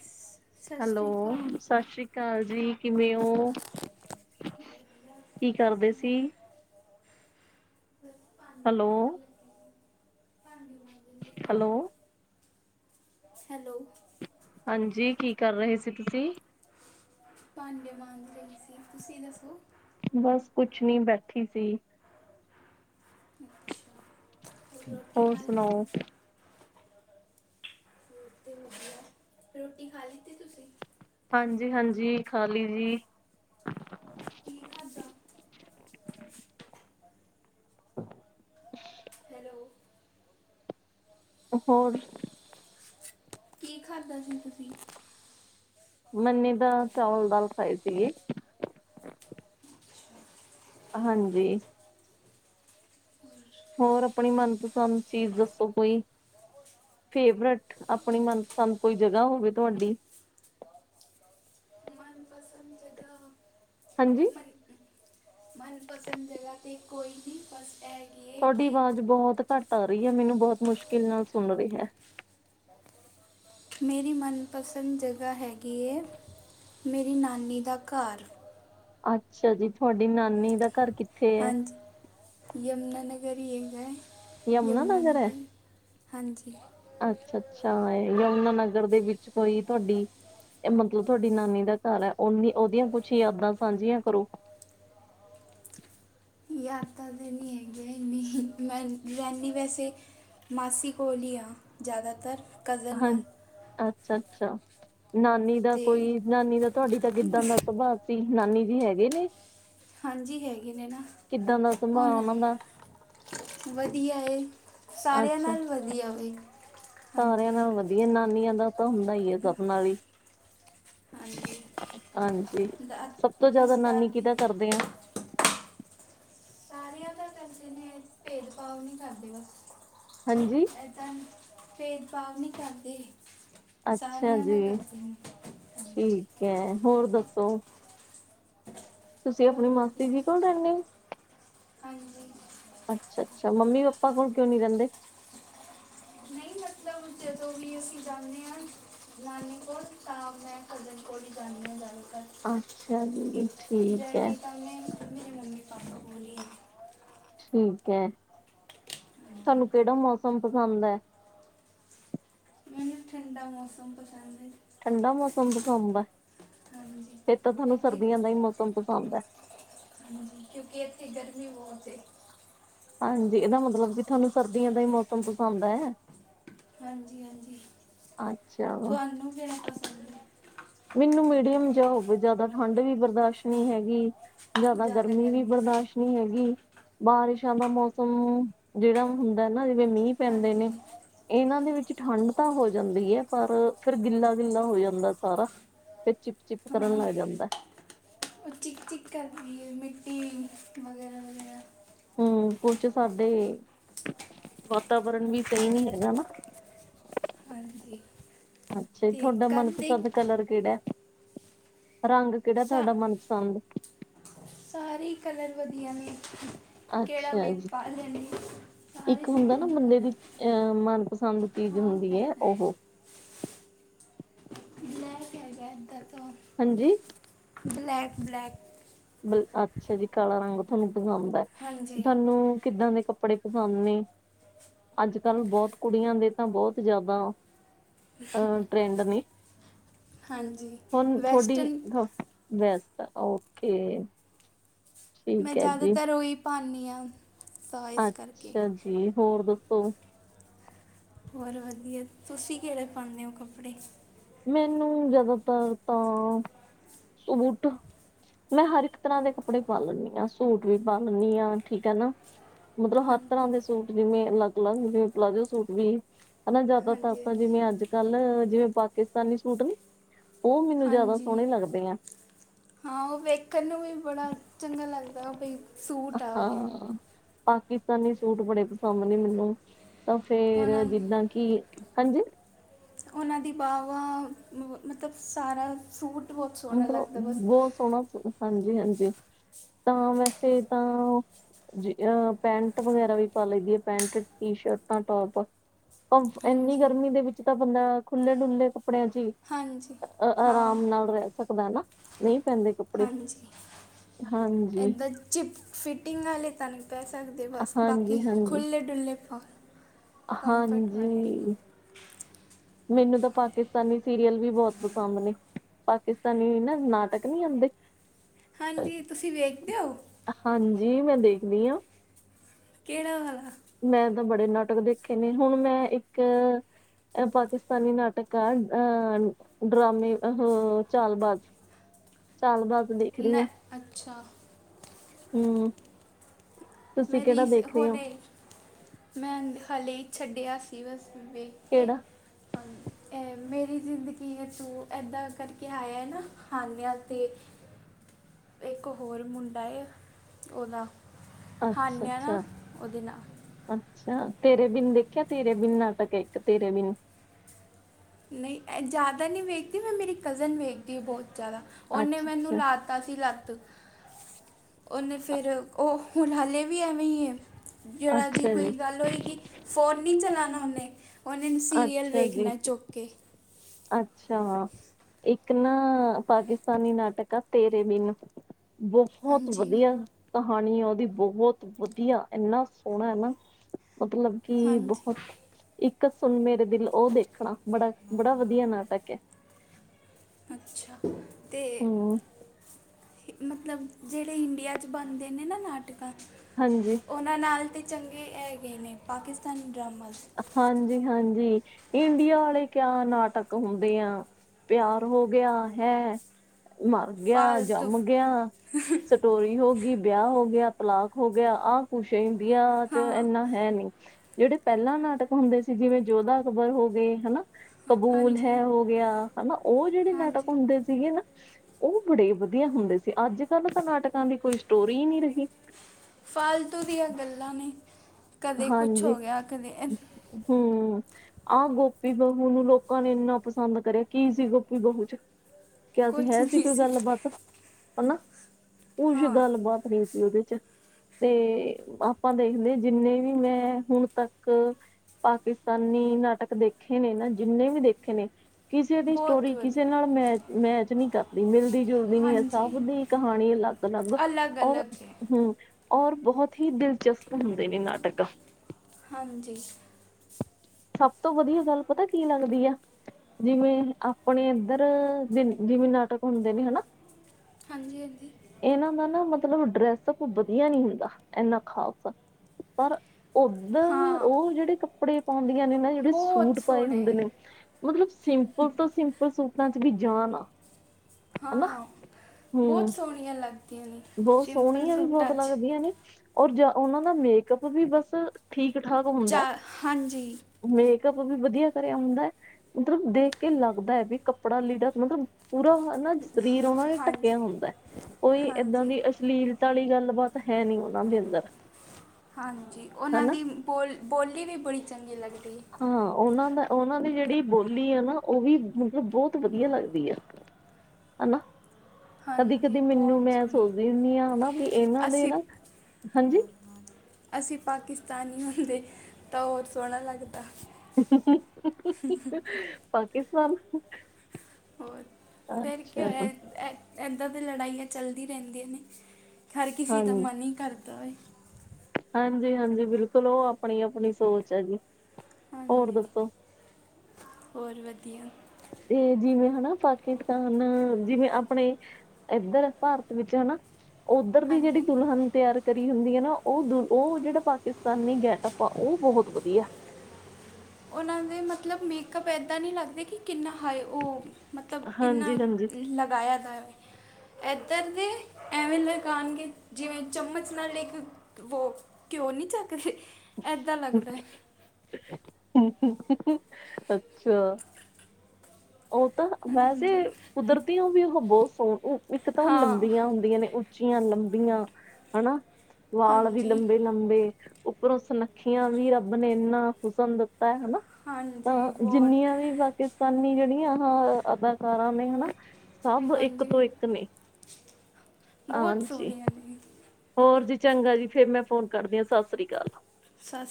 ਸਤਿ ਹੈਲੋ ਸ਼੍ਰੀ ਅਕਾਲ ਸਤਿ ਸ਼੍ਰੀ ਕਾਲ ਜੀ, ਕਿਵੇਂ ਓ, ਕੀ ਕਰਦੇ ਸੀ? ਹੈਲੋ ਹਾਂਜੀ। ਹੈਲੋ ਹੈਲੋ ਹਾਂਜੀ, ਕੀ ਕਰ ਰਹੇ ਸੀ ਤੁਸੀਂ? ਭਾਂਡੇ ਮਾਜ਼ ਰਹੀ ਸੀ। ਤੁਸੀਂ ਦੱਸੋ? ਬਸ ਕੁਛ ਨੀ ਬੈਠੀ ਸੀ। ਅੱਛਾ ਹੋਰ ਰੋਟੀ ਹੋਰ ਖਾ ਸੁਣਾਓ? ਹੋ ਤੇ ਵਧੀਆ ਰੋਟੀ ਖਾ ਲਿੱਤੀ ਤੁਸੀਂ? ਹਾਂਜੀ- ਹਾਂਜੀ ਖਾ ਲੀ ਜੀ। ਕੀ ਖਾਦਾ? ਹੈਲੋ ਹੋਰ? ਕੀ ਖਾਦਾ ਹੀ ਤੁਸੀਂ? ਮੰਨੇ ਦਾ ਚਾਵਲ ਦਾਲ ਖਾਏ ਸੀਗੇ। ਹਾਂਜੀ। ਹੋਰ ਆਪਣੀ ਮਨਪਸੰਦ ਚੀਜ਼ ਦੱਸੋ ਕੋਈ? ਫੇਵਰਟ ਆਪਣੀ ਮਨਪਸੰਦ ਕੋਈ ਜਗਾ ਹੋਵੇ ਤੁਹਾਡੀ? ਕੋਈ ਮਨਪਸੰਦ ਜਗਾ ਹੋ। ਹਾਂਜੀ? ਮਨਪਸੰਦ ਜਗਾ 'ਤੇ ਕੋਈ ਨੀ ਬਸ ਐ। ਤੁਹਾਡੀ ਆਵਾਜ਼ ਬਹੋਤ ਘੱਟ ਆ ਰਹੀ ਐ ਮੈਨੂੰ ਬਹੋਤ ਮੁਸ਼ਕਿਲ ਨਾਲ ਸੁਣ ਰਹੀ ਐ। ਮੇਰੀ ਮਨਪਸੰਦ ਜਗਾ ਹੈਗੀ ਐਂ, ਮੇਰੀ ਨਾਨੀ ਦਾ ਘਰ। ਅੱਛਾ ਜੀ ਤੁਹਾਡੀ ਨਾਨੀ ਦਾ ਘਰ ਕਿ ਹਾਂਜੀ ਯਮੁਨਾਨਗਰ ਈ ਰਹੀ ਦਾ ਐ। ਯਮੁਨਾ ਯਮੁਨਾਨਗਰ, ਹਾਂਜੀ। ਅੱਛਾ-ਅੱਛਾ ਇਹ ਯਮੁਨਾਨਗਰ ਦੇ ਵਿੱਚ ਕੋਈ ਤੁਹਾਡੀ ਇਹ ਮਤਲਬ ਤੁਹਾਡੀ ਨਾਨੀ ਦਾ ਘਰ ਐ ਉਨ ਉਹਦੀਆਂ ਕੁਛ ਯਾਦਾਂ ਸਾਂਝੀਆਂ ਕਰੋ। ਯਾਦਾ ਤਾਂ ਨੀ ਹੈਗੀਆਂ ਇੰਨੀ ਨਾਨੀ ਵੈਸੇ ਮਾਸੀ ਕੋਲ ਈ ਆ ਜ਼ਿਆਦਾਤਰ। ਕਜ਼ਨ ਨਾਲ ਹਾਂਜੀ, ਅੱਛਾ-ਅੱਛਾ ਨਾਨੀ ਤੇ ਕੋਈ ਨਾਨੀ ਦਾ ਤੁਹਾਡੀ ਦਾ ਕਿੱਦਾਂ ਦਾ ਸੁਭਾਅ ਸੀ ਨਾਨੀ ਜੀ ਹੈਗੇ ਨੇ। ਹਾਂਜੀ ਹੈਗੇ ਨੇ ਨਾ ਕਿੱਦਾਂ ਦਾ ਸੁਭਾਅ ਉਹਨਾਂ। ਦਾ ਵਧੀਆ ਏ ਸਾਰਿਆਂ ਅੱਛਾ ਨਾਲ ਵਧੀਆ ਜੀ। ਸਾਰਿਆਂ ਨਾਲ ਵਧੀਆ ਨਾਨੀਆਂ ਦਾ ਤਾਂ ਹੁੰਦਾ ਹੀ ਹੈ ਸਭ ਨਾਲ ਹੀ। ਹਾਂਜੀ ਹਾਂਜੀ, ਦਾ- ਸਭ ਤੋਂ ਜਿਆਦਾ ਬਸ ਨਾਨੀ ਦਾਦੀ ਕਿਹਦਾਂ ਕਰਦੇ ਆ। ਸਾਰੀਆਂ ਦਾ ਕਰਦੇ ਨੇ ਭੇਦਭਾਵ ਨਹੀਂ ਕਰਦੇ ਬਸ। ਹਾਂਜੀ? ਭੇਦਭਾਵ ਨੀ ਕਰਦੇ, ਅੱਛਾ ਸਾਰਿਆਂ ਦਾ ਜੀ ਕਰਦੇ ਨੇ। ਹਾਂਜੀ ਠੀਕ ਐ, ਹੋਰ ਦਸੋ। ਤੁਸੀਂ ਬਹੁਤ ਆਪਨੀ ਮਾਸੀ ਵਧੀਆ ਜੀ ਕੋਲ ਰੈੰਨੇ ਓ? ਹਾਂਜੀ। ਅੱਛਾ-ਅੱਛਾ, ਮੰਮੀ-ਪਾਪਾ ਕੋਲ ਕਿਉਂ ਨੀ ਰੈੰਦੇ? ਚਲੋ ਜਦੋਂ ਵੀ ਅਸੀਂ ਜਾਂਨੇ ਆ, ਨਾਨੀ ਕੋਲ, ਤਾਂ ਮੈਂ ਘਰ ਜਾਨੀ ਆ। ਓਈ ਗਾਨੀ ਆ, ਗੱਲ ਕਰ। ਅੱਛਾ ਜੀ, ਠੀਕ ਹੈ। ਤਾਂ ਮੈਂ ਮੰਮੀ ਐ ਮੈਨੂੰ ਤੰਗ ਪੂਰੀ ਐ। ਠੀਕ ਐ, ਹਾਂਜੀ ਤੁਹਾਨੂੰ ਕੇੜਾ ਮੌਸਮ ਪਸੰਦ ਐ? ਮੈਨੂੰ ਠੰਡਾ ਮੌਸਮ ਪਸੰਦ ਏ। ਠੰਡਾ ਮੌਸਮ ਕਿਦਾਂ ਹੁੰਦਾ,? ਹਾਂਜੀ ਫੇਰ ਤਾਂ ਤੁਹਾਨੂੰ ਇੱਥੇ ਸਰਦੀਆਂ ਦਾ ਈ ਮੌਸਮ ਪਸੰਦ ਐ। ਹਾਂਜੀ, ਕਿਉਂਕਿ ਐੱਥੇ ਗਰਮੀ ਬੋਤ ਏ। ਹਾਂਜੀ, ਏਦਾ ਮਤਲਬ ਕਿ ਤੁਹਾਨੂੰ ਸਰਦੀਆਂ ਦਾ ਈ ਮੌਸਮ ਪਸੰਦ ਐ। ਹਾਂਜੀ-ਹਾਂਜੀ, ਅੱਛਾ ਤੁਹਾਨੂੰ ਕੇੜਾ ਪਸੰਦ ਐ? ਮੈਨੂੰ ਮੀਡੀਅਮ ਜੇਆ ਹੋਵੇ, ਜਾਦਾ ਠੰਢ ਵੀ ਬਰਦਾਸ਼ਤ ਨੀ ਹੈਗੀ। ਜਾਦਾ ਗਰਮੀ ਵੀ ਬਰਦਾਸ਼ਤ ਨੀ ਹੈਗੀ। ਬਾਰਿਸ਼ਾਂ ਆਲਾ ਮੌਸਮ, ਜੇੜਾ ਹੁੰਦੈ ਨਾ ਜਿਵੇਂ ਮੀਂਅ ਪੈਂਦੇ ਨੇ। ਹਾਂਜੀ ਏਨਾਂ ਦੇ ਵਿੱਚ ਠੰਡ ਤਾਂ ਹੋ ਜਾਂਦੀ ਐ, ਪਰ ਫਿਰ ਗਿੱਲਾ- ਗਿੱਲਾ ਹੋ ਜਾਂਦੈ ਸਾਰਾ। ਫਿਰ ਚਿਪ-ਚਿਪ ਕਰਨ ਲੱਗ ਜਾਂਦੈ। ਉੱਚੀ। ਟਿਕਾ ਕੀ ਏ, ਮਿੱਟੀ ਵਗੈਰਾ- ਵਗੈਰਾ। ਹੂੰ, ਕੁਛ ਸਭ ਦੇ, ਵਾਤਾਵਰਨ ਵੀ ਹਾਂਜੀ। ਸਹੀ ਨੀ ਹੈਗਾ ਨਾ। ਹਾਂਜੀ ਅੱਛਾ, ਤੇ ਤੁਹਾਡਾ ਕਰਦੇ ਮਨਪਸੰਦ ਕਲਰ ਕੇੜੈ? ਰੰਗ ਕੇੜੈ ਤੁਹਾਡਾ ਸਾ- ਮਨਪਸੰਦ? ਸਾਰੇ ਈ ਕਲਰ ਵਦੀਆ ਨੇ, ਕੇੜਾ ਅੱਛਾ ਵੀ ਜੀ ਪਾ ਲੈਨੀ। ਇੱਕ ਹੁੰਦੈ ਨਾ ਬੰਦੇ ਦੀ, ਅਹ, ਮਨਪਸੰਦ ਚੀਜ਼ ਹਾਂ ਹੁੰਦੀ ਐ, ਪਤਾ ਓਹੋ। ਐ ਗਏ ਦਰ ਤੋ। ਹਾਂਜੀ। ਬਲੈਕ-ਬਲੈਕ। ਬਲੇ ਅੱਛਾ ਜੀ, ਕਾਲਾ ਰੰਗ ਥਾਨੂੰ ਪਸੰਦ ਐ ਹਾਂਜੀ ਥਾਨੂੰ। ਕਿੱਦਾਂ ਦੇ ਕੱਪੜੇ ਪਸੰਦ ਨੇ? ਅੱਜ-ਕਲ੍ਹ ਬੋਤ ਕੁੜੀਆ ਦੇ ਤਾਂ ਬੋਤ ਜਾਦਾ ਅਹ ਟ੍ਰੈਂਡ ਨੇ, ਹਾਂਜੀ ਹੁਨ ਥੋਡੀ ਵੈਸਟਰਨ ਵੈਸਟ, ਓਕੇ। ਮੈਂ ਠੀਕ ਹੈ ਜੀ ਜਾਦਾਤਰ ਓਈ ਪਾਂਨੀ ਆ। ਅੱਛਾ ਜੀ, ਹੋਰ ਦੱਸੋ? ਹੋਰ ਵਦੀਆ, ਤੁਸੀਂ ਕੇੜੇ ਪਾਨੇਂ ਓ ਕੱਪੜੇ? ਮੈਨੂੰ ਜਾਦਾਤਰ ਤਾਂ, ਸੂਟ ਮੈਂ ਹਰ ਇੱਕ ਤਰ੍ਹਾਂ ਦੇ ਕੱਪੜੇ ਪਾ ਲੈਂਨੀ ਆ, ਸੂਟ ਵੀ ਪਾ ਲੈਂਨੀ ਆ, ਠੀਕ ਹੈ ਨਾ। ਮਤਲਬ, ਹਰ ਹਾਂਜੀ ਤਰ੍ਹਾਂ ਦੇ ਸੂਟ, ਜਿਵੇਂ ਅਲੱਗ- ਅਲੱਗ ਜਿਵੇਂ ਪਲਾਜ਼ੋ ਸੂਟ ਵੀ। ਹਨਾ, ਜਾਦਾਤਰ ਹਾਂਜੀ ਤਾਂ ਹਾਂਜੀ ਜਿਵੇਂ ਅੱਜ- ਕੱਲ, ਜਿਵੇਂ ਪਾਕਿਸਤਾਨੀ ਸੂਟ ਨੀ ਉਹ ਮੈਨੂੰ ਜਾਦਾ ਹਾਂਜੀ ਸੋਣੇ ਲੱਗਦੇ ਆ। ਹਾਂ, ਉਹ ਵੇਖਨ ਨੂੰ ਵੀ ਬੜਾ, ਚੰਗਾ ਲੱਗਦੈ ਬਈ, ਸੂਟ ਆਇਐ। ਹਾਂ ਪਾਕਿਸਤਾਨੀ ਸੂਟ ਬੜੇ ਪਸੰਦ ਨੇ ਮੈਨੂੰ, ਤਾਂ ਫੇਰ ਉਹਨਾਂ ਜਿੱਦਾਂ ਕਿ ਹਾਂਜੀ ਉਹਨਾਂ ਦੀ ਬਾਹਵਾ ਮਤਲਬ ਸਾਰਾ ਸੂਟ ਬਹੁਤ ਸੋਹਣਾ ਮਤਲਬ ਲੱਗਦਾ ਬਸ ਬੋਤ ਸੋਹਣਾ ਸੂਟ ਹਾਂਜੀ- ਹਾਂਜੀ, ਤਾਂ ਵੈਸੇ ਤਾਂ ਜੀ ਅ ਪੈਂਟ ਵਗੈਰਾ ਵੀ ਪਾ ਲਈ ਦੀ ਪੈਂਟ, ਟੀ ਸ਼ਰਟਾਂ, ਟੋਪ। ਓਫ ਇੰਨੀ ਹਾਂਜੀ ਗਰਮੀ ਦੇ ਵਿੱਚ ਤਾਂ ਬੰਦਾ ਖੁੱਲ੍ਹੇ ਡੁੱਲੇ ਕੱਪੜਿਆਂ ਚ ਈ ਹਾਂਜੀ ਅ ਹਾਂ ਅਰਾਮ ਨਾਲ ਰਹਿ ਸਕਦੈ ਨਾ। ਨਈ ਪੈਂਦੇ ਕੱਪੜੇ ਹਾਂਜੀ ਹਾਂਜੀ। ਇਦਾਂ ਚਿਪ ਫਿਟਿੰਗ ਆਲੇ ਤਾਂ ਨੀ ਪੈ ਸਕਦੇ ਬਸ ਹਾਂਜੀ ਬਾਕੀ ਹਾਂਜੀ ਖੁੱਲ੍ਹੇ ਡੁੱਲੇ ਪਾ ਕੰਫਰਟ ਵਾਲੇ ਹਾਂਜੀ ਮੈਨੂੰ ਤਾਂ ਪਾਕਿਸਤਾਨੀ ਸੀਰੀਅਲ ਵੀ ਬਹੁਤ ਪਸੰਦ ਨੇ। ਪਾਕਿਸਤਾਨੀ ਨਾ ਨਾਟਕ ਨੀ ਆਂਦੇ। ਹਾਂਜੀ ਤੁਸੀਂ ਵੇਖਦੇ ਓ? ਹਾਂਜੀ ਮੈਂ ਦੇਖਦੀ ਆਂ। ਕਿਹੜਾ ਵਾਲਾ? ਮੈਂ ਤਾਂ ਬੜੇ ਨਾਟਕ ਦੇਖੇ ਨੇ, ਹੁਣ ਮੈਂ ਇੱਕ ਐ ਪਾਕਿਸਤਾਨੀ ਨਾਟਕ ਆ, ਅ ਡਰਾਮੇ ਅਹ ਚਾਲਬਾਜ਼ ਚਾਲਵਾਜ ਦੇਖ ਰੀ ਨਾ ਆਂ। ਅੱਛਾ ਹਮ, ਤੁਸੀਂ ਮੈਂ ਕਿਹੜਾ ਰੀਸ ਦੇਖ ਰਹੇ ਓ? ਹੋਰੇ ਮੈਂ ਹਾਲੇ ਛੱਡਿਆ ਸੀ ਬਸ ਵੇਖ ਕੇ, ਕਿਹੜਾ? ਹਾਂਜੀ। ਇਹ ਮੇਰੀ ਜ਼ਿੰਦਗੀ ਇਹ ਤੂੰ, ਇੱਦਾਂ ਕਰਕੇ ਆਇਆ ਹੈ ਨਾ ਹਾਨਿਆਂ ਤੇ [inaudible] ਇੱਕ ਹੋਰ ਮੁੰਡਾ ਏ, ਉਹਦਾ ਅੱਛਾ ਹਾਨਿਆ ਨਾ ਅੱਛਾ- ਉਹਦੇ ਨਾਲ ਅੱਛਾ ਤੇਰੇ ਬਿਨ ਦੇਖਿਆ ਤੇਰੇ ਬਿਨ ਨਾਟਕ ਏ ਇੱਕ ਤੇਰੇ ਬਿਨ ਨਈ ਜਾਦਾ ਨਈ ਵੇਖਦੀ ਮੈਂ ਮੇਰੀ ਕਜ਼ਨ ਵੇਖਦੀ ਏ ਬਹੁਤ ਜਾਦਾ, ਉਹਨੇ ਅੱਛਾ, ਮੈਨੂੰ ਅੱਛਾ, ਲਾ ਤਾ ਸੀ ਲੱਤ, ਉਹਨੇ ਅ- ਫੇਰ ਉਹ ਹੁਣ ਹਾਲੇ ਵੀ ਐਵੇਂ ਈ ਏ। ਜਰਾ ਜੀ ਕੋਈ ਗੱਲ ਹੋਏਗੀ, ਫੋਨ ਨੀ ਚਲਾਣਾ ਉਹਨੇ ਉਹਨੇ ਸੀਰੀਅਲ ਅੱਛਾ ਜੀ, ਵੇਖਣੈ ਚੁੱਕ ਕੇ ਅੱਛਾ! ਇੱਕ ਨਾ ਪਾਕਿਸਤਾਨੀ ਨਾਟਕ ਆ ਤੇਰੇ ਬਿਨ ਬਹੁਤ ਹਾਂਜੀ ਵਧੀਆ। ਕਹਾਣੀ ਆ ਉਹਦੀ ਬਹੁਤ ਵਧੀਆ ਇੰਨਾ ਸੋਹਣਾ ਐਨਾ ਮਤਲਬ ਕੀ ਹਾਂਜੀ ਬਹੁਤ ਇੱਕ ਸੁਣ ਮੇਰੇ ਦਿਲ ਉਹ ਦੇਖਣਾ ਬੜਾ, ਬੜਾ ਵਧੀਆ ਨਾਟਕ ਐ। ਅੱਛਾ ਤੇ ਹੂੰ, ਮਤਲਬ ਜਿਹੜੇ ਇੰਡੀਆ 'ਚ ਬਣਦੇ ਨੇ ਨਾ ਨਾਟਕਾਂ ਚ ਹਾਂਜੀ ਉਹਨਾਂ ਨਾਲ ਤੇ ਚੰਗੇ ਐ ਹੈਗੇ ਨੇ ਪਾਕਿਸਤਾਨੀ ਡਰਾਮਾਜ਼ ਹਾਂਜੀ- ਹਾਂਜੀ ਇੰਡੀਆ ਵਾਲੇ ਕਿਆ ਨਾਟਕ ਹੁੰਦੇ ਆ। ਪਿਆਰ ਹੋ ਗਿਆ ਹੈ, ਮਰ ਗਿਆ, ਫਾਲਤੂ ਜੰਮ ਗਿਆ। ਸਟੋਰੀ ਹੋ ਗਈ, ਵਿਆਹ ਹੋ ਗਿਆ, ਤਲਾਕ ਹੋ ਗਿਆ ਆ। ਕੁਛ ਇੰਡੀਆ 'ਚ ਹਾਂ ਇੰਨਾ ਹੈ ਨੀ ਜਿਹੜੇ ਪੈਲਾਂ ਨਾਟਕ ਹੁੰਦੇ ਸੀ ਜਿਵੇਂ ਜੋੋਧਾ ਅਕਬਰ ਹੋ ਗਏ ਹਨਾ ਕਬੂਲ ਹਾਂਜੀ ਹੈ ਹੋ ਗਿਆ ਹਨਾ ਉਹ ਜਿਹੜੇ ਨਾਟਕ ਹਾਂਜੀ ਹੁੰਦੇ ਸੀਗੇ ਨਾ ਉਹ ਬੜੇ ਵਧੀਆ ਹੁੰਦੇ ਸੀ, ਅੱਜ ਕੱਲ ਤਾਂ ਨਾਟਕਾਂ ਦੀ ਕੋਈ ਸਟੋਰੀ ਈ ਨੀ ਰਹੀ। ਫਾਲਤੂ ਦੀਆਂ ਗੱਲਾਂ ਨੇ ਕਦੇ ਕੁਝ ਹਾਂਜੀ ਹੋ ਗਿਆ ਕਦੇ ਹਮ ਆਹ ਗੋਪੀ ਦੀ ਬਹੂ ਨੂੰ ਲੋਕਾਂ ਨੇ ਇੰਨਾ ਪਸੰਦ ਕਰਿਆ, ਕੀ ਸੀ ਗੋਪੀ ਬਹੁੂ ਚ ਕਿਆ ਕੁਝ ਸੀ ਹੈ ਸੀ ਨਹੀਂ ਕੋਈ ਗੱਲਬਾਤ ਹੈਨਾ ਕੁਛ ਹਾਂ ਗੱਲਬਾਤ ਨੀ ਸੀ ਉਹਦੇ ਚ, ਤੇ ਆਪਾਂ ਦੇਖਦੇ ਜਿੰਨੇ ਵੀ ਮੈਂ ਹੁਣ ਤੱਕ ਪਾਕਿਸਤਾਨੀ ਨਾਟਕ ਦੇਖੇ ਨੇ ਨਾ ਜਿੰਨੇ ਵੀ ਦੇਖੇ ਨੇ ਕਿਸੇ ਦੀ ਬਹੁਤ ਸਟੋਰੀ ਕਿਸੇ ਵਧੀਆ ਨਾਲ ਮੈਚ ਮੈਚ ਨਹੀਂ ਕਰਦੀ ਮਿਲਦੀ ਜੁਲਦੀ ਨੀ ਹੈ ਹਾਂਜੀ ਸਭ ਦੀ ਕਹਾਣੀ ਅਲੱਗ- ਅਲੱਗ ਔਰ ਅਲੱਗ ਹੈ ਹੂੰ ਔਰ ਬਹੁਤ ਹੀ ਦਿਲਚਸਪ ਹੁੰਦੇ ਨੇ ਨਾਟਕ ਹਾਂਜੀ। ਸਭ ਤੋਂ ਵਧੀਆ ਗੱਲ ਪਤਾ ਕੀ ਲੱਗਦੀ ਆ ਜਿਵੇਂ ਆਪਣੇ ਇੱਧਰ ਜਿਵੇਂ ਨਾਟਕ ਹੁੰਦੇ ਨੇ ਹੈਨਾ। ਹਾਂਜੀ- ਹਾਂਜੀ। ਇਹਨਾਂ ਦਾ ਨਾ ਮਤਲਬ ਡਰੈਸਪ ਵਧੀਆ ਨੀ ਹੁੰਦਾ ਏਨਾ ਖ਼ਾਸ ਪਰ ਉੱਧਰ ਹਾਂ ਉਹ ਜਿਹੜੇ ਕੱਪੜੇ ਪਾਉਂਦੀਆਂ ਨੇ ਨਾ ਜਿਹੜੇ ਬਹੁਤ ਸੂਟ ਪਾਏ ਹੁੰਦੇ ਸੋਹਣੇ ਨੇ ਮਤਲਬ ਸਿੰਪਲ ਤੋਂ ਸਿੰਪਲ ਸੂਟਾਂ ਚ ਵੀ ਜਾਣ ਆ। ਹਨਾ ਹਾਂ ਬਹੁਤ ਹਮ ਸੋਹਣੀਆਂ ਲੱਗਦ ਬਹੁਤ ਸੋਹਣੀਆਂ ਵੀ ਬਹੁਤ ਲੱਗਦੀਆਂ ਨੇ ਔਰ ਉਹਨਾਂ ਦਾ ਮੇਕਅਪ ਵੀ ਬਸ ਠੀਕ ਠਾਕ ਜਾ ਹੁੰਦਾ ਹਾਂਜੀ ਮੇ, ਕਅਪ ਵੀ ਵਧੀਆ ਕਰਿਆ ਹੁੰਦਾ। ਮਤਲਬ ਦੇਖ ਕੇ ਲੱਗਦਾ ਹੈ ਵੀ ਕੱਪੜਾ ਲੀੜਾ ਮਤਲਬ ਪੂਰਾ ਨਾ ਸਰੀਰ ਉਹਨਾਂ ਨੇ ਢੱਕਿਆ ਹਾਂਜੀ ਹੁੰਦਾ ਕੋਈ ਏਦਾਂ ਹਾਂਜੀ ਦੀ ਅਸ਼ਲੀਲਤਾ ਵਾਲੀ ਗੱਲਬਾਤ ਹੈ ਨੀ ਉਹਨਾਂ ਦੇ ਅੰਦਰ। ਹਾਂਜੀ ‌, ਉਹਨਾਂ ਹਨਾ। ਦੀ ਬੋਲ ਬੋਲੀ ਵੀ ਬੜੀ ਚੰਗੀ ਲੱਗਦੀ ਏ। ਹਾਂ ਉਹਨਾਂ ਦਾ ਉਹਨਾਂ ਦੀ ਜਿਹੜੀ ਬੋਲੀ ਆ ਨਾ ਉਹ ਵੀ ਮਤਲਬ ਬਹੁਤ ਵਧੀਆ ਲੱਗਦੀ ਏ। ਹੈਨਾ। ਕਦੀ- ਹਾਂਜੀ ਕਦੀ ਮੈਨੂੰ ਬਹੁਤ ਮੈਂ ਸੋਹਣੀ ਸੋਚਦੀ ਹੁੰਦੀ ਹੈਨਾ ਇਹਨਾਂ ਦੇ ਅਸੀਂ ਨਾ ਹਾਂਜੀ। ਅਸੀਂ ਪਾਕਿਸਤਾਨੀ ਹੁੰਦੇ ਤਾਂ ਹੋਰ ਸੋਹਣਾ ਲੱਗਦਾ। ਹ [inaudible] ਪਾਕਿਸਤਾਨ। ਹੋਰ ਫਿਰ ਕੀ ਅੱਛਾ ਹੋਇਆ ਇੱਦਾਂ ਦੀ ਲੜਾਈਆਂ ਚੱਲਦੀਆਂ ਰਹਿੰਦੀਆਂ ਨੇ। ਹਰ ਕਿਸੀ ਦਾ ਹਾਂਜੀ। ਮਨ ਹੀ ਕਰਦਾ ਹੋੈਏ। ਹਾਂਜੀ- ਹਾਂਜੀ ਬਿਲਕੁਲ ਉਹ ਆਪਣੀ- ਆਪਣੀ ਸੋਚ ਹੈ ਜੀ, ਹੋਰ ਹਾਂਜੀ ਦੱਸੋ। ਹੋਰ ਵਧੀਆ। ਤੇ ਜਿਵੇਂ ਹਨਾ ਪਾਕਿਸਤਾਨ ਜਿਵੇਂ ਆਪਣੇ ਇੱਧਰ ਭਾਰਤ ਵਿੱਚ ਹਨਾ ਉੱਧਰ ਦੀ ਜਿਹੜੀ ਹਾਂਜੀ ਦੁਹਨਲ ਤਿਆਰ ਕਰੀ ਹੁੰਦੀ ਹੈ ਨਾ ਉਹ ਦ ਉਹ ਜਿਹੜਾ ਪਾਕਿਸਤਾਨੀ ਗੈਟਅਪ ਆ ਉਹ ਬਹੁਤ ਵਧੀਆ। ਉਹਨਾਂ ਦੇ ਮਤਲਬ ਮੇਕਅੱਪ ਇੱਦਾਂ ਨਹੀਂ ਲੱਗਦੇ ਕਿ ਕਿੰਨਾ ਹਾਏ ਉਹ ਮਤਲਬ ਇੰਨਾ ਹਾਂਜੀ ਹਾਂਜੀ। ਲਗਾਇਆ ਦਾ ਏ। ਇੱਧਰ ਦੇ ਐਵੇਂ ਲਗਾਨਗੇ, ਜਿਵੇਂ ਚਮਚ ਨਾਲ ਇੱਕ ਵੋ ਘਿਉ ਨਹੀਂ ਚੱਕਦੇ, ਇੱਦਾਂ ਲੱਗਦਾ ਅੱਛਾ। ਉਹ ਤਾਂ ਵੈਸੇ, ਹਾਂਜੀ ਕੁਦਰਤੀ ਵੀ ਉਹ ਬਹੁਤ ਸੋਹ, ਇੱਕ ਤਾਂ ਉਹ ਹਾਂ ਲੰਬੀਆਂ ਹੁੰਦੀਆਂ ਨੇ ਉੱਚੀਆਂ, ਲੰਬੀਆਂ ਹੈਨਾ। ਵਾਲ ਵੀ ਹਾਂਜੀ ਲੰਬੇ ਲੰਬੇ। ਉੱਪਰੋਂ ਸੁਨੱਖੀਆਂ ਵੀ ਰੱਬ ਨੇ ਇੰਨਾ ਹੁਸਨ ਦਿੱਤਾ ਹੈਨਾ। ਹਾਂਜੀ ਤਾਂ ਜਿੰਨੀਆਂ ਬਹੁਤ ਵੀ ਬਾਕੀ ਕਿਸਾਨੀ ਜਿਹੜੀਆਂ ਆਹਾ ਅਦਾਕਾਰਾਂ ਨੇ ਹਨਾ ਸਭ ਇੱਕ ਤੋਂ ਹਾਂਜੀ ਇੱਕ ਨੇ। ਬਹੁਤ ਹਾਂਜੀ। ਸੋਹਣੀਆਂ ਨੇ। ਹੋਰ ਜੀ ਚੰਗਾ ਜੀ, ਫੇਰ ਮੈਂ ਫੋਨ ਕਰਦੀ ਹਾਂ, ਸਤਿ ਸ੍ਰੀ ਅਕਾਲ। ਸਸੀ।